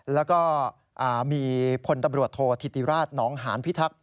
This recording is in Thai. และมีพตโทษธิติราชน้องหานภิทรักษ์